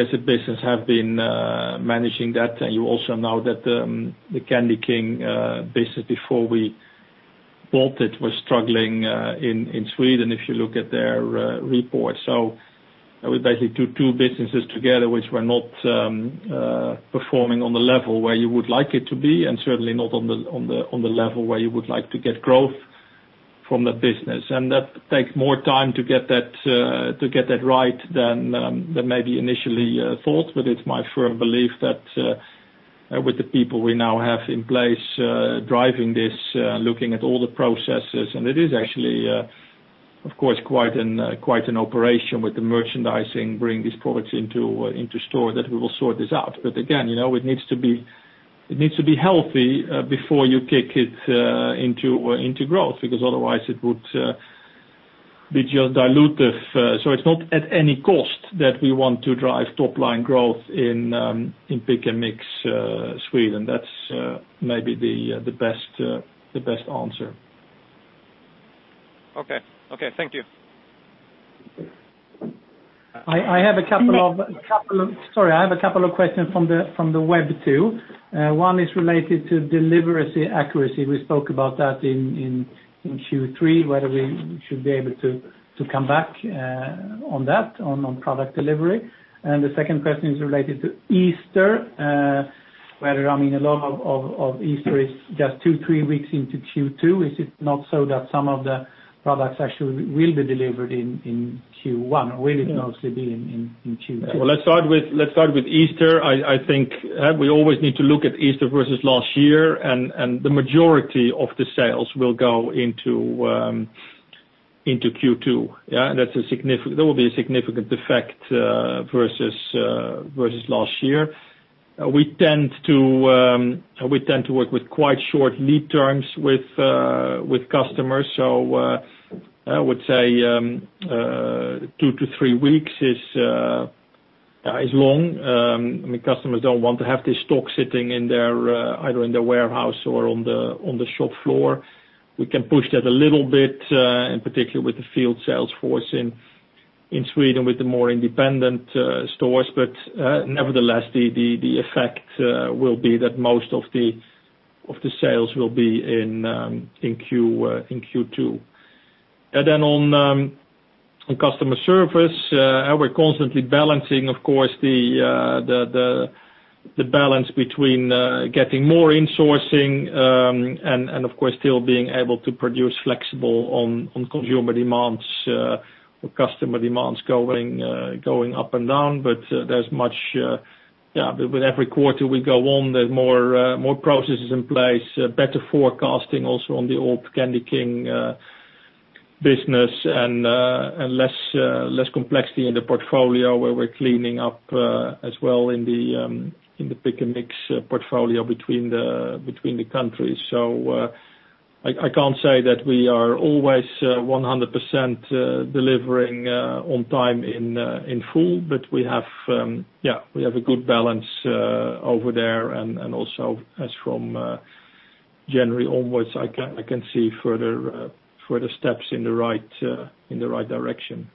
as a business, have been managing that. And you also know that the CandyKing business before we bought it was struggling in Sweden, if you look at their report. So we basically two, two businesses together, which were not performing on the level where you would like it to be, and certainly not on the level where you would like to get growth from the business. And that take more time to get that right than maybe initially thought. But it's my firm belief that with the people we now have in place driving this, looking at all the processes, and it is actually, of course, quite an operation with the merchandising, bringing these products into store that we will sort this out. But again, you know, it needs to be healthy before you kick it into growth, because otherwise it would be just dilutive. So it's not at any cost that we want to drive top line growth in Pick & Mix, Sweden. That's maybe the best answer. Okay. Okay, thank you. I have a couple of... Sorry, I have a couple of questions from the web, too. One is related to delivery accuracy. We spoke about that in Q3, whether we should be able to come back on that on product delivery. And the second question is related to Easter, whether, I mean, a lot of Easter is just two, three weeks into Q2. Is it not so that some of the products actually will be delivered in Q1, or will it mostly be in Q2? Well, let's start with, let's start with Easter. I think we always need to look at Easter versus last year, and the majority of the sales will go into Q2, yeah. And that's a significant - there will be a significant effect versus last year. We tend to work with quite short lead times with customers. So, I would say two to three weeks is long. I mean, customers don't want to have this stock sitting either in their warehouse or on the shop floor. We can push that a little bit, in particular with the field sales force in Sweden, with the more independent stores. But, nevertheless, the effect will be that most of the sales will be in Q2. And then on customer service, we're constantly balancing, of course, the balance between getting more insourcing, and of course, still being able to produce flexible on consumer demands, or customer demands going up and down. But, there's much, yeah, with every quarter we go on, there's more processes in place, better forecasting also on the old CandyKing business, and less complexity in the portfolio, where we're cleaning up as well in the pick and mix portfolio between the countries. So, I can't say that we are always 100% delivering on time in full, but we have, yeah, we have a good balance over there. And also, as from January onwards, I can see further steps in the right direction.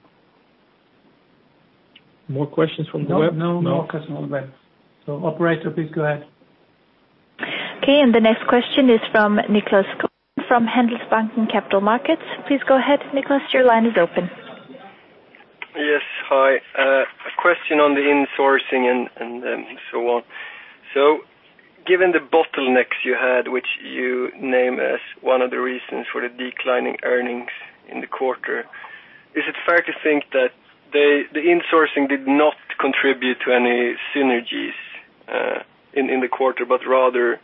More questions from the web? No, no more questions on the web. Operator, please go ahead. Okay, and the next question is from Nicklas Skogman from Handelsbanken Capital Markets. Please go ahead, Nicklas, your line is open. Yes. Hi, a question on the insourcing and, and, so on. So given the bottlenecks you had, which you name as one of the reasons for the declining earnings in the quarter, is it fair to think that the, the insourcing did not contribute to any synergies, in, in the quarter, but rather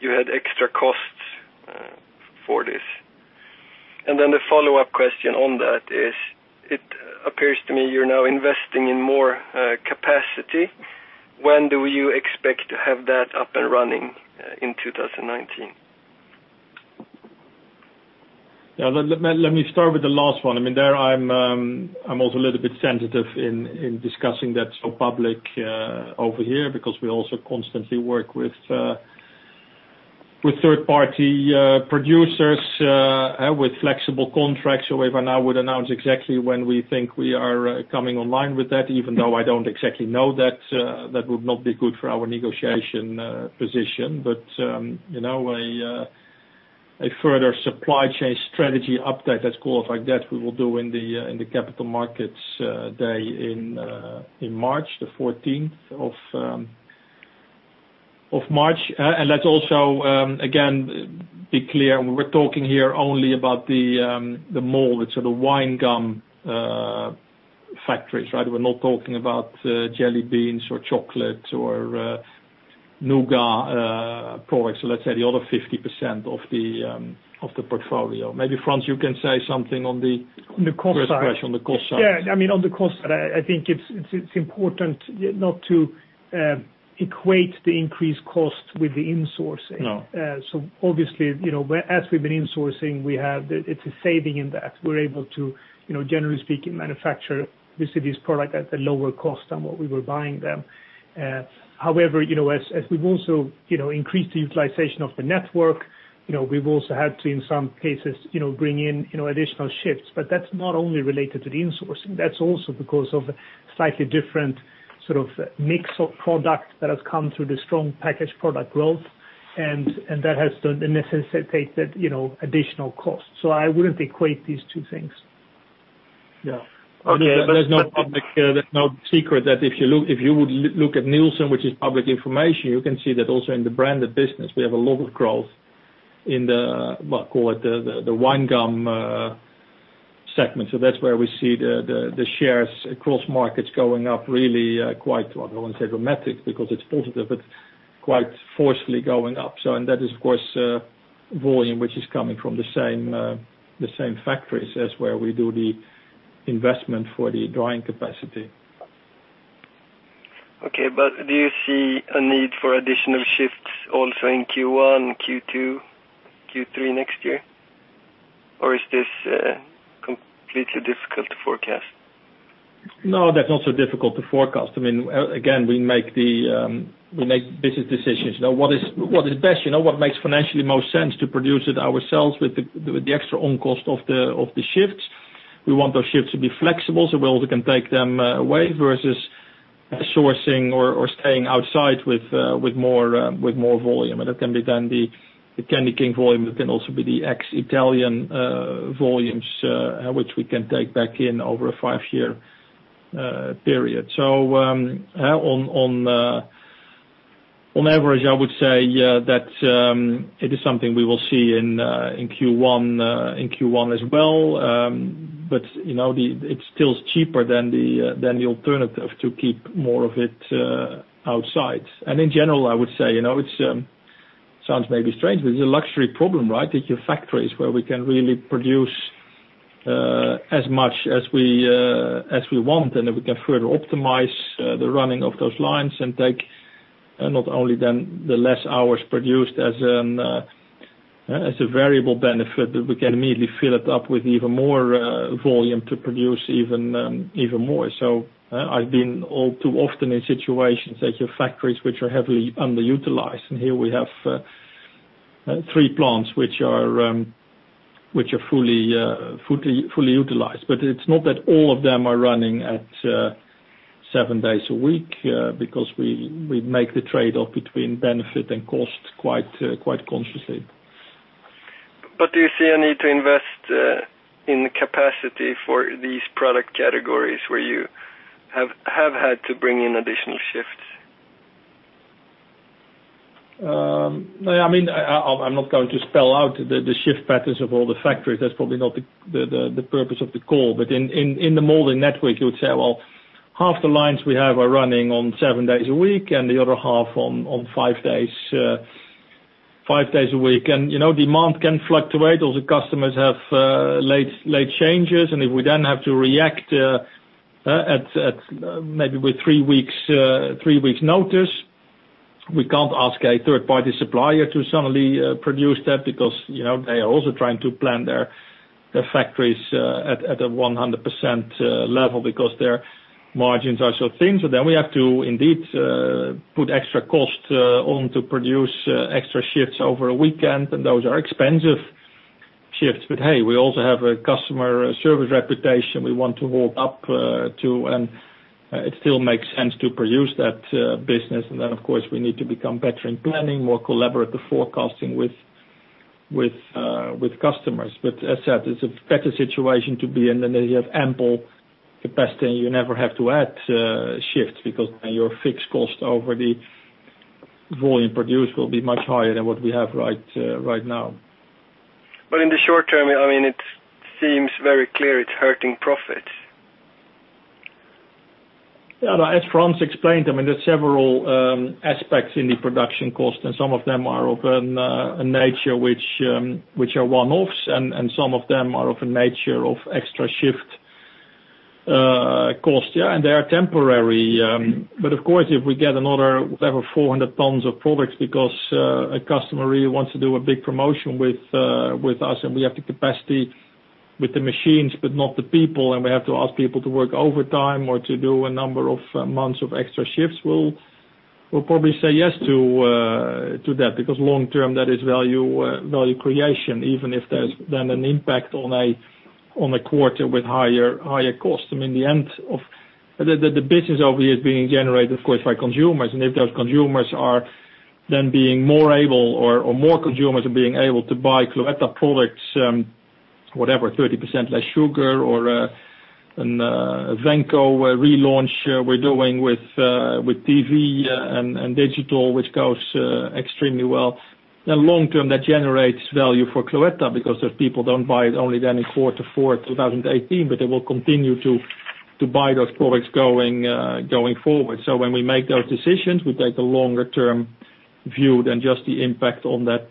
you had extra costs, for this? And then the follow-up question on that is, it appears to me you're now investing in more, capacity. When do you expect to have that up and running, in 2019? Yeah, let me start with the last one. I mean, there I'm also a little bit sensitive in discussing that so public over here, because we also constantly work with third party producers with flexible contracts, so if I now would announce exactly when we think we are coming online with that, even though I don't exactly know that, that would not be good for our negotiation position. But you know, a further supply chain strategy update at calls like that, we will do in the Capital Markets Day in March, the 14th of March. And let's also again be clear, we're talking here only about the mold. It's the wine gum factories, right? We're not talking about jelly beans or chocolate or nougat products. So let's say the other 50% of the portfolio. Maybe, Frans, you can say something on the- On the cost side. On the cost side. Yeah, I mean, on the cost side, I think it's important not to equate the increased cost with the insourcing. No. So obviously, as we've been insourcing, we have... It's a saving in that. We're able to, you know, generally speaking, manufacture basically this product at a lower cost than what we were buying them. However, you know, as we've also, you know, increased the utilization of the network, you know, we've also had to, in some cases, you know, bring in, you know, additional shifts. But that's not only related to the insourcing, that's also because of slightly different sort of mix of product that has come through the strong packaged product growth, and that has necessitated, you know, additional costs. So I wouldn't equate these two things. Yeah. But there's no secret that if you look, if you would look at Nielsen, which is public information, you can see that also in the branded business, we have a lot of growth in the, well, call it the wine gum segment. So that's where we see the shares across markets going up really, quite, well, I won't say dramatic, because it's positive, but quite forcefully going up. So and that is, of course, volume, which is coming from the same, the same factories as where we do the investment for the drying capacity. Okay, but do you see a need for additional shifts also in Q1, Q2, Q3 next year? Or is this completely difficult to forecast? No, that's not so difficult to forecast. I mean, again, we make business decisions. Now, what is best, you know, what makes financially more sense to produce it ourselves with the extra own cost of the shifts? We want those shifts to be flexible, so we also can take them away versus sourcing or staying outside with more volume. And that can be then the CandyKing volume, that can also be the ex-Italian volumes, which we can take back in over a five-year period. So, on average, I would say, yeah, that it is something we will see in Q1 as well. But, you know, the... It still is cheaper than the, than the alternative, to keep more of it outside. And in general, I would say, you know, it's sounds maybe strange, but it's a luxury problem, right? That your factories, where we can really produce, as much as we, as we want, and then we can further optimize, the running of those lines and take, not only then the less hours produced as an, as a variable benefit, but we can immediately fill it up with even more, volume to produce even, even more. So, I've been all too often in situations that your factories, which are heavily underutilized, and here we have, three plants which are, which are fully, fully, fully utilized. But it's not that all of them are running at seven days a week, because we make the trade-off between benefit and cost quite consciously. Do you see a need to invest in capacity for these product categories where you have had to bring in additional shifts? I mean, I'm not going to spell out the shift patterns of all the factories. That's probably not the purpose of the call. But in the molding network, you would say, well, half the lines we have are running on seven days a week, and the other half on five days a week. You know, demand can fluctuate or the customers have late changes, and if we then have to react at maybe with three weeks' notice, we can't ask a third-party supplier to suddenly produce that, because, you know, they are also trying to plan their factories at a 100% level because their margins are so thin. So then we have to indeed put extra cost on to produce extra shifts over a weekend, and those are expensive shifts. But hey, we also have a customer service reputation we want to hold up to, and it still makes sense to produce that business. And then, of course, we need to become better in planning, more collaborative forecasting with customers. But as I said, it's a better situation to be in than if you have ample capacity and you never have to add shifts, because then your fixed cost over the volume produced will be much higher than what we have right now. But in the short term, I mean, it seems very clear it's hurting profits. Yeah, as Frans explained, I mean, there's several aspects in the production cost, and some of them are of a nature which are one-offs, and some of them are of a nature of extra shift cost. Yeah, and they are temporary, but of course, if we get another level 400 tons of products because a customer really wants to do a big promotion with us, and we have the capacity with the machines, but not the people, and we have to ask people to work overtime or to do a number of months of extra shifts, we'll probably say yes to that. Because long term, that is value creation, even if there's then an impact on a quarter with higher cost. I mean, in the end of... The business over here is being generated, of course, by consumers. And if those consumers are then being more able or more consumers are being able to buy Cloetta products, whatever, 30% less sugar or a Venco relaunch we're doing with TV and digital, which goes extremely well. In the long term, that generates value for Cloetta, because those people don't buy it only then in quarter four, 2018, but they will continue to buy those products going forward. So when we make those decisions, we take a longer term view than just the impact on that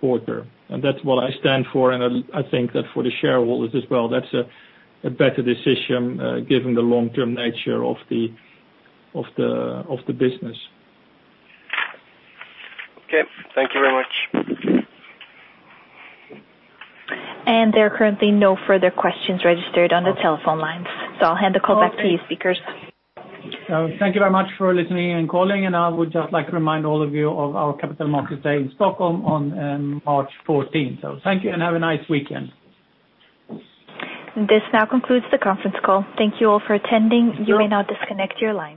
quarter. And that's what I stand for, and I think that for the shareholders as well, that's a better decision, given the long-term nature of the business. Okay. Thank you very much. There are currently no further questions registered on the telephone lines. So I'll hand the call back to you, speakers. Thank you very much for listening and calling, and I would just like to remind all of you of our Capital Markets Day in Stockholm on March 14th. So thank you, and have a nice weekend. This now concludes the conference call. Thank you all for attending. You may now disconnect your lines.